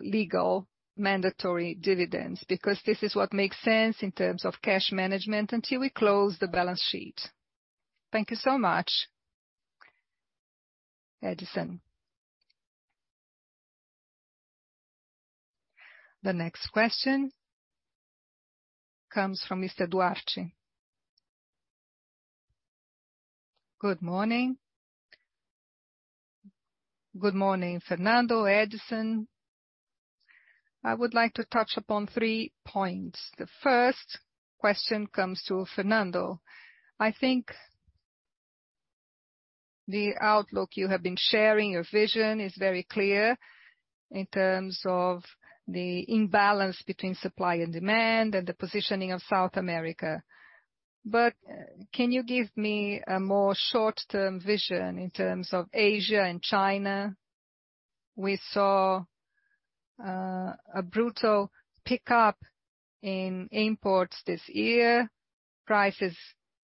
legal mandatory dividends, because this is what makes sense in terms of cash management until we close the balance sheet. Thank you so much. Edison. The next question comes from Mr. Duarte. Good morning. Good morning, Fernando, Edison. I would like to touch upon three points. The first question comes to Fernando. I think the outlook you have been sharing, your vision is very clear in terms of the imbalance between supply and demand and the positioning of South America. Can you give me a more short-term vision in terms of Asia and China? We saw a brutal pickup in imports this year. Prices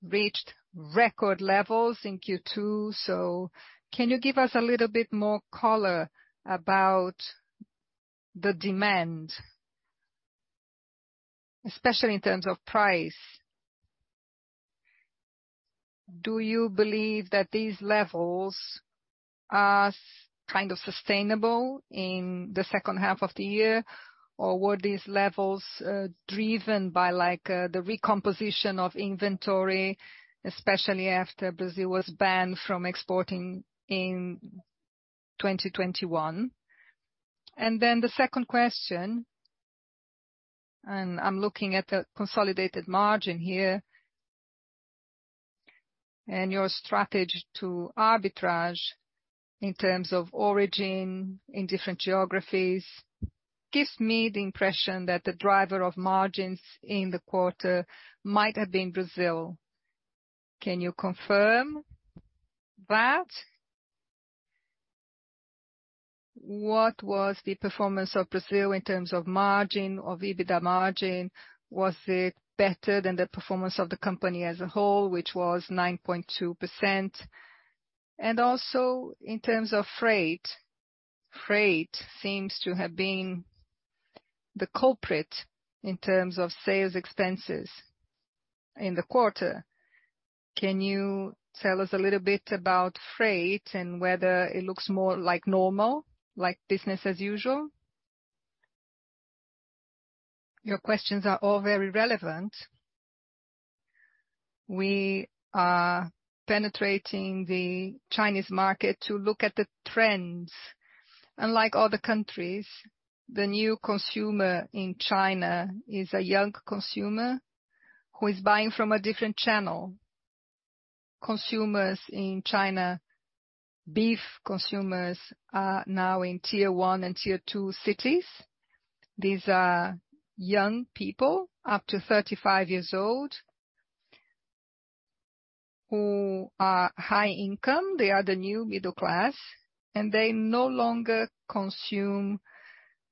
reached record levels in Q2. Can you give us a little bit more color about the demand, especially in terms of price? Do you believe that these levels are kind of sustainable in the second half of the year, or were these levels driven by like the recomposition of inventory, especially after Brazil was banned from exporting in 2021? The second question, I'm looking at the consolidated margin here, and your strategy to arbitrage in terms of origin in different geographies, gives me the impression that the driver of margins in the quarter might have been Brazil. Can you confirm that? What was the performance of Brazil in terms of margin or EBITDA margin? Was it better than the performance of the company as a whole, which was 9.2%? Also in terms of freight seems to have been the culprit in terms of sales expenses in the quarter. Can you tell us a little bit about freight and whether it looks more like normal, like business as usual? Your questions are all very relevant. We are penetrating the Chinese market to look at the trends. Unlike other countries, the new consumer in China is a young consumer who is buying from a different channel. Consumers in China, beef consumers are now in tier one and tier two cities. These are young people up to 35 years old who are high income. They are the new middle class, and they no longer consume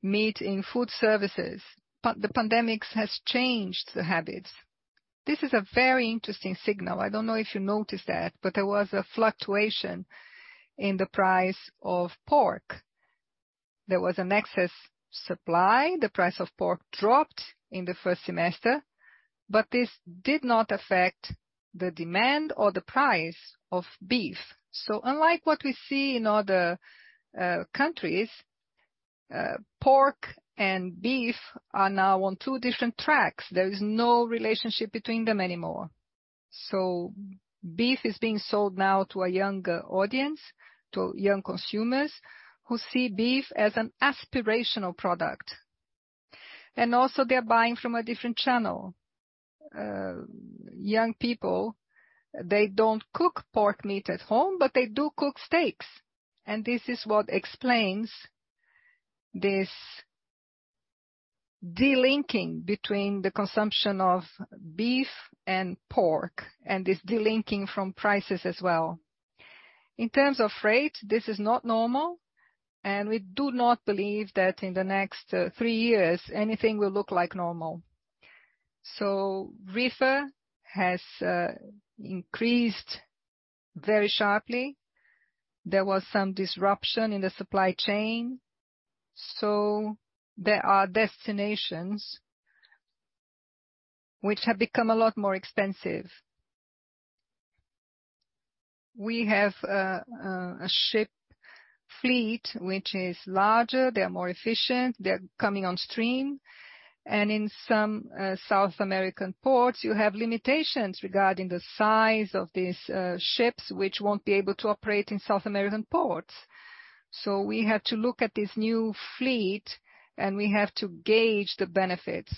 meat in food services. The pandemic has changed the habits. This is a very interesting signal. I don't know if you noticed that, but there was a fluctuation in the price of pork. There was an excess supply. The price of pork dropped in the first semester, but this did not affect the demand or the price of beef. Unlike what we see in other countries, pork and beef are now on two different tracks. There is no relationship between them anymore. Beef is being sold now to a younger audience, to young consumers who see beef as an aspirational product. Also they're buying from a different channel. Young people, they don't cook pork meat at home, but they do cook steaks. This is what explains this de-linking between the consumption of beef and pork, and this de-linking from prices as well. In terms of freight, this is not normal, and we do not believe that in the next three years anything will look like normal. Reefer has increased very sharply. There was some disruption in the supply chain. There are destinations which have become a lot more expensive. We have a ship fleet which is larger. They are more efficient. They are coming on stream. In some South American ports, you have limitations regarding the size of these ships, which won't be able to operate in South American ports. We have to look at this new fleet, and we have to gauge the benefits.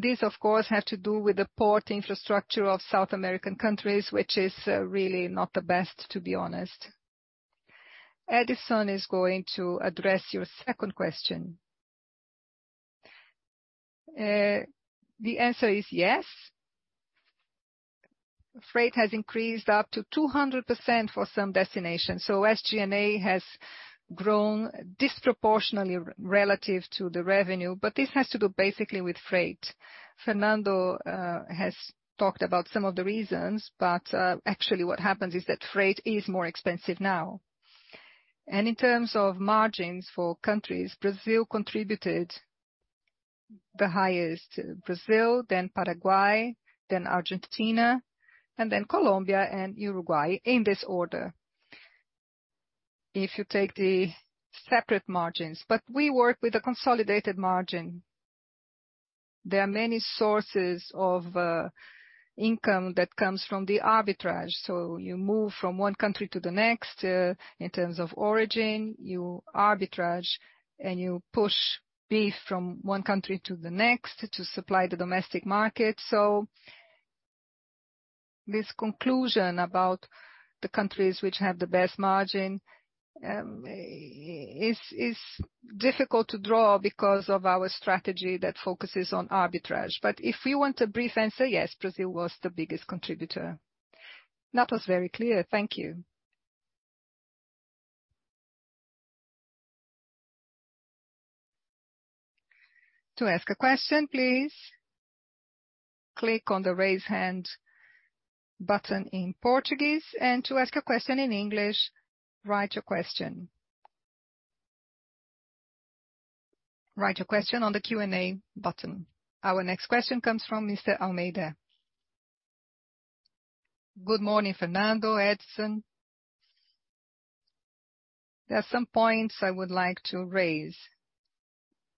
This, of course, has to do with the port infrastructure of South American countries, which is really not the best, to be honest. Edison is going to address your second question. The answer is yes. Freight has increased up to 200% for some destinations. SG&A has grown disproportionately relative to the revenue, but this has to do basically with freight. Fernando has talked about some of the reasons, but actually what happens is that freight is more expensive now. In terms of margins for countries, Brazil contributed the highest. Brazil, then Paraguay, then Argentina, and then Colombia and Uruguay, in this order. If you take the separate margins. We work with a consolidated margin. There are many sources of income that comes from the arbitrage. You move from one country to the next in terms of origin. You arbitrage and you push beef from one country to the next to supply the domestic market. This conclusion about the countries which have the best margin is difficult to draw because of our strategy that focuses on arbitrage. If you want a brief answer, yes, Brazil was the biggest contributor. That was very clear. Thank you. To ask a question, please click on the Raise Hand button in Portuguese. To ask a question in English, write your question. Write your question on the Q&A button. Our next question comes from Mr. Almeida. Good morning, Fernando, Edison. There are some points I would like to raise.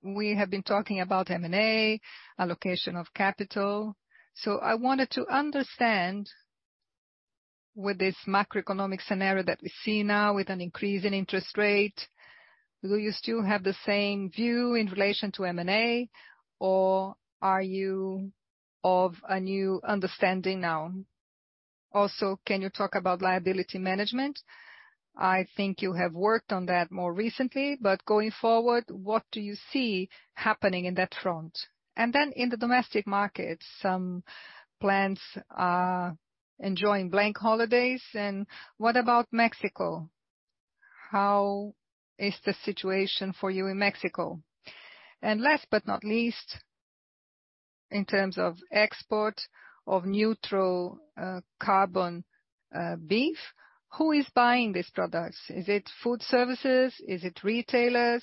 We have been talking about M&A, allocation of capital. I wanted to understand with this macroeconomic scenario that we see now with an increase in interest rate, do you still have the same view in relation to M&A or are you of a new understanding now? Also, can you talk about liability management? I think you have worked on that more recently, but going forward, what do you see happening in that front? Then in the domestic market, some plants are enjoying bank holidays. What about Mexico? How is the situation for you in Mexico? Last but not least, in terms of export of carbon neutral beef, who is buying these products? Is it food services? Is it retailers?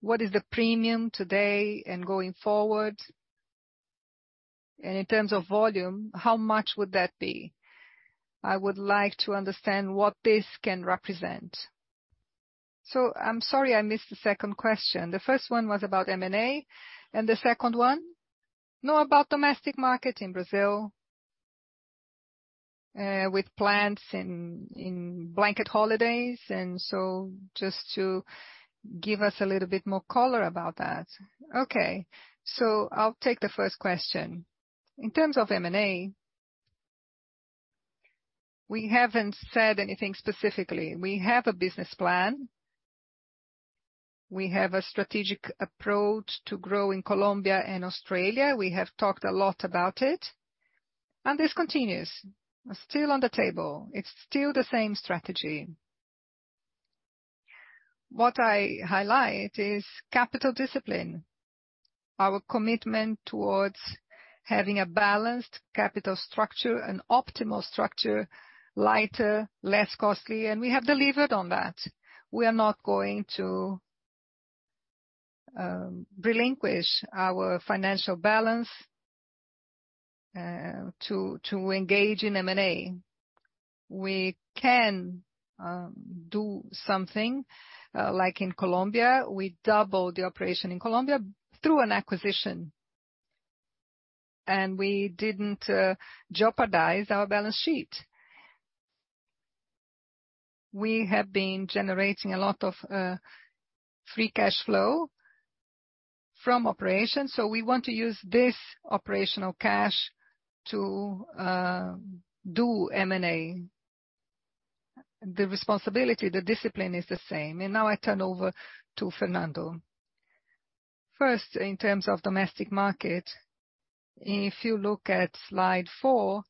What is the premium today and going forward? In terms of volume, how much would that be? I would like to understand what this can represent. I'm sorry I missed the second question. The first one was about M&A, and the second one? No, about domestic market in Brazil with plans and Black Friday holidays. Just to give us a little bit more color about that. I'll take the first question. In terms of M&A, we haven't said anything specifically. We have a business plan. We have a strategic approach to grow in Colombia and Australia. We have talked a lot about it, and this continues. It's still on the table. It's still the same strategy. What I highlight is capital discipline, our commitment towards having a balanced capital structure, an optimal structure, lighter, less costly, and we have delivered on that. We are not going to relinquish our financial balance to engage in M&A. We can do something. Like in Colombia, we doubled the operation in Colombia through an acquisition, and we didn't jeopardize our balance sheet. We have been generating a lot of free cash flow from operations, so we want to use this operational cash to do M&A. The responsibility, the discipline is the same. Now I turn over to Fernando. First, in terms of domestic market, if you look at slide four,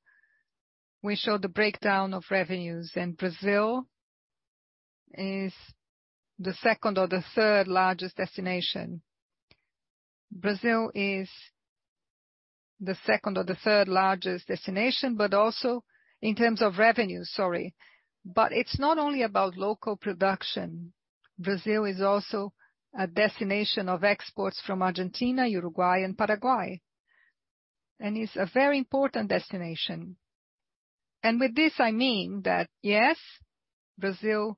we show the breakdown of revenues, and Brazil is the second or the third-largest destination, but also in terms of revenue, sorry. It's not only about local production. Brazil is also a destination of exports from Argentina, Uruguay and Paraguay, and is a very important destination. With this I mean that, yes, Brazil's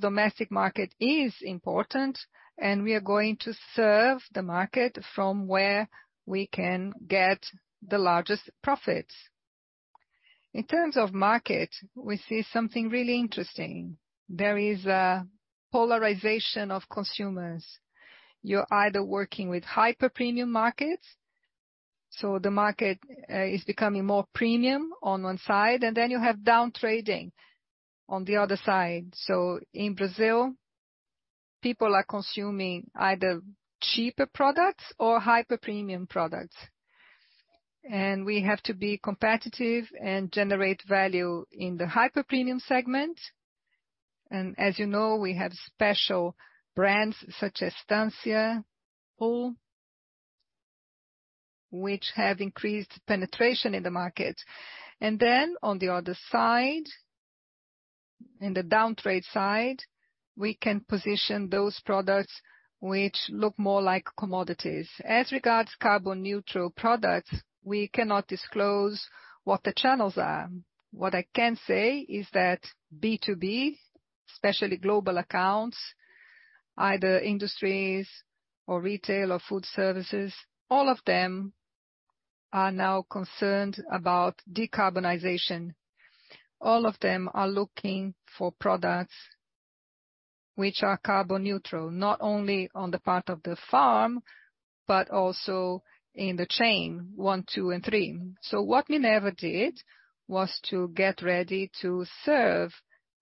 domestic market is important and we are going to serve the market from where we can get the largest profits. In terms of market, we see something really interesting. There is a polarization of consumers. You're either working with hyper-premium markets. The market is becoming more premium on one side, and then you have down trading on the other side. In Brazil, people are consuming either cheaper products or hyper-premium products. We have to be competitive and generate value in the hyper-premium segment. As you know, we have special brands such as Estância, Pul, which have increased penetration in the market. On the other side, in the down-trade side, we can position those products which look more like commodities. As regards carbon neutral products, we cannot disclose what the channels are. What I can say is that B2B, especially global accounts, either industries or retail or food services, all of them are now concerned about decarbonization. All of them are looking for products which are carbon neutral, not only on the part of the farm, but also in the chain one, two and three. What we never did was to get ready to serve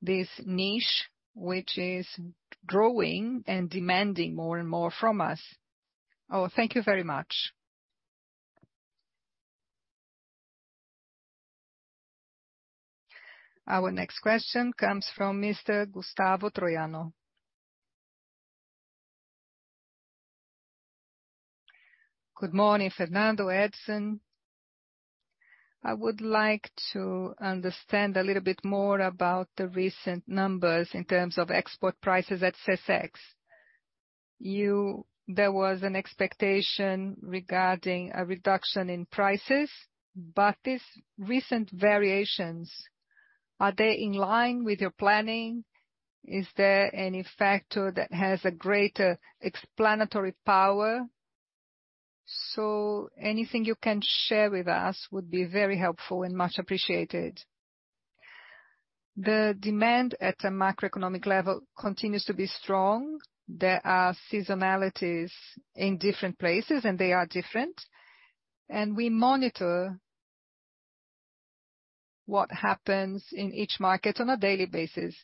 this niche which is growing and demanding more and more from us. Oh, thank you very much. Our next question comes from Mr. Gustavo Troyano. Good morning, Fernando, Edison. I would like to understand a little bit more about the recent numbers in terms of export prices at Secex. There was an expectation regarding a reduction in prices, but these recent variations, are they in line with your planning? Is there any factor that has a greater explanatory power? Anything you can share with us would be very helpful and much appreciated. The demand at a macroeconomic level continues to be strong. There are seasonalities in different places and they are different, and we monitor what happens in each market on a daily basis.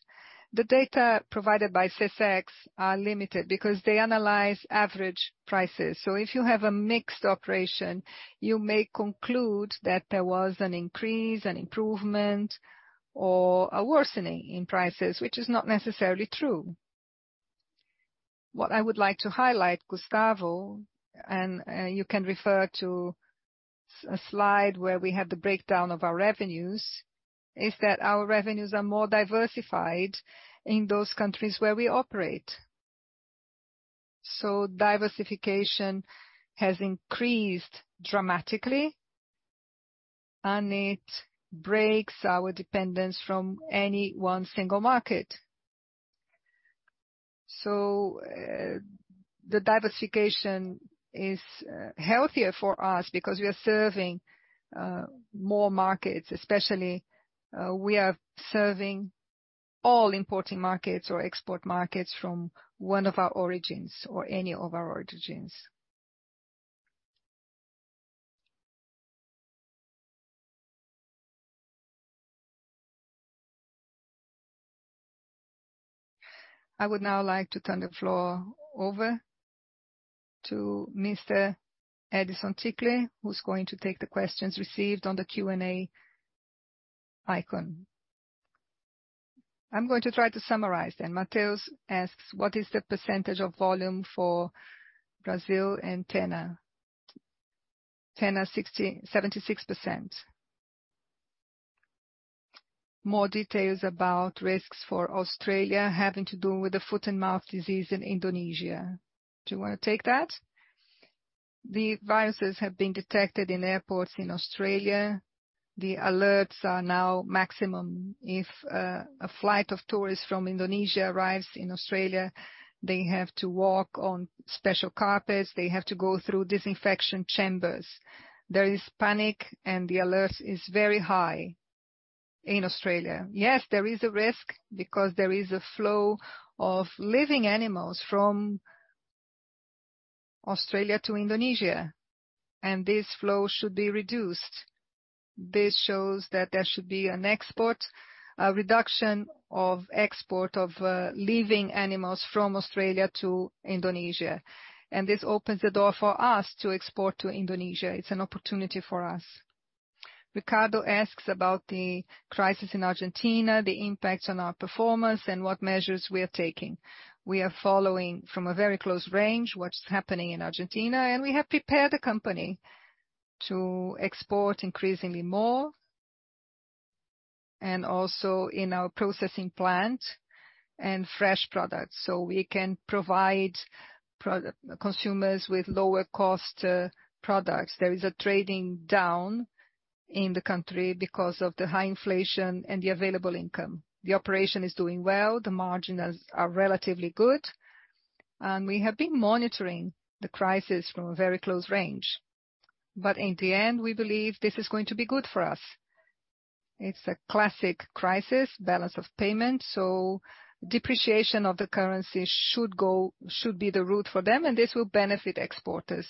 The data provided by Secex are limited because they analyze average prices. If you have a mixed operation, you may conclude that there was an increase, an improvement or a worsening in prices, which is not necessarily true. What I would like to highlight, Gustavo, and you can refer to slide where we have the breakdown of our revenues, is that our revenues are more diversified in those countries where we operate. Diversification has increased dramatically and it breaks our dependence from any one single market. The diversification is healthier for us because we are serving more markets especially. We are serving all importing markets or export markets from one of our origins or any of our origins. I would now like to turn the floor over to Mr. Edison Ticle, who's going to take the questions received on the Q&A icon. I'm going to try to summarize then. Matthews asks: What is the percentage of volume for Brazil and Argentina? Argentina 60%-76%. More details about risks for Australia having to do with the foot-and-mouth disease in Indonesia. Do you wanna take that? The viruses have been detected in airports in Australia. The alerts are now maximum. If a flight of tourists from Indonesia arrives in Australia, they have to walk on special carpets. They have to go through disinfection chambers. There is panic and the alerts is very high in Australia. Yes, there is a risk because there is a flow of living animals from Australia to Indonesia, and this flow should be reduced. This shows that there should be a reduction of export of living animals from Australia to Indonesia. This opens the door for us to export to Indonesia. It's an opportunity for us. Ricardo asks about the crisis in Argentina, the impact on our performance, and what measures we are taking. We are following from a very close range what's happening in Argentina, and we have prepared the company to export increasingly more and also in our processing plant and fresh products, so we can provide consumers with lower cost products. There is a trading down in the country because of the high inflation and the available income. The operation is doing well. The margin is relatively good, and we have been monitoring the crisis from a very close range. In the end, we believe this is going to be good for us. It's a classic crisis, balance of payment, so depreciation of the currency should be the route for them, and this will benefit exporters.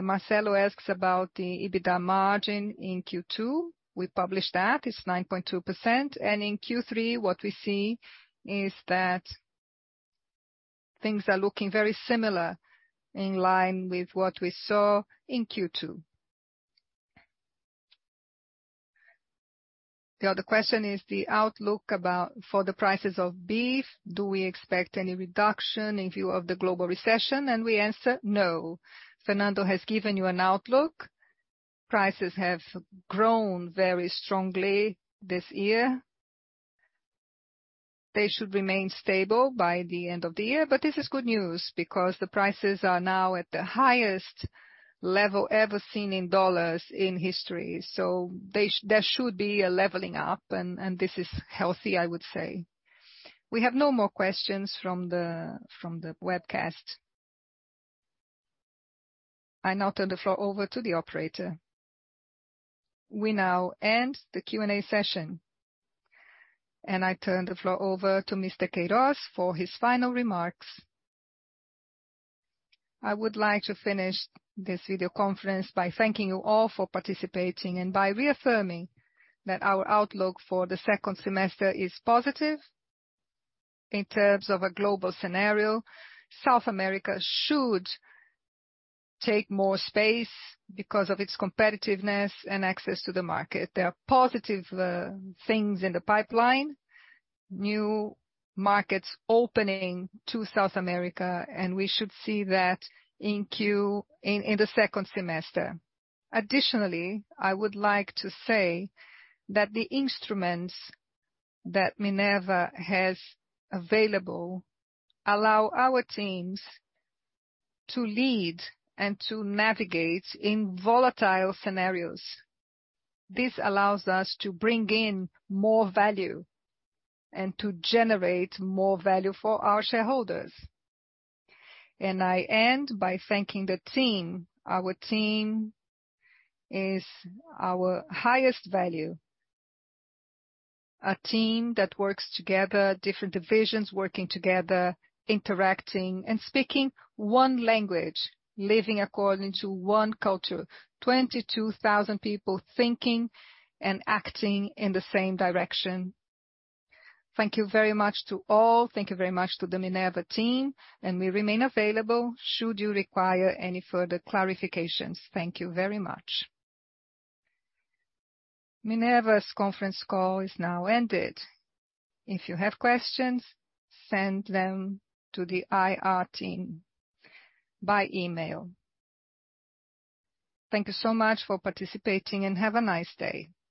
Marcelo asks about the EBITDA margin in Q2. We published that, it's 9.2%. In Q3, what we see is that things are looking very similar in line with what we saw in Q2. The other question is the outlook for the prices of beef, do we expect any reduction in view of the global recession? We answer no. Fernando has given you an outlook. Prices have grown very strongly this year. They should remain stable by the end of the year, but this is good news because the prices are now at the highest level ever seen in U.S. dollars in history. There should be a leveling up and this is healthy, I would say. We have no more questions from the webcast. I now turn the floor over to the operator. We now end the Q&A session, and I turn the floor over to Mr. Queiroz for his final remarks. I would like to finish this video conference by thanking you all for participating and by reaffirming that our outlook for the second semester is positive. In terms of a global scenario, South America should take more space because of its competitiveness and access to the market. There are positive things in the pipeline, new markets opening to South America, and we should see that in the second semester. Additionally, I would like to say that the instruments that Minerva has available allow our teams to lead and to navigate in volatile scenarios. This allows us to bring in more value and to generate more value for our shareholders. I end by thanking the team. Our team is our highest value. A team that works together, different divisions working together, interacting and speaking one language, living according to one culture. 22,000 people thinking and acting in the same direction. Thank you very much to all. Thank you very much to the Minerva team, and we remain available should you require any further clarifications. Thank you very much. Minerva's conference call is now ended. If you have questions, send them to the IR team by email. Thank you so much for participating, and have a nice day.